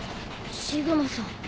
シグマさん。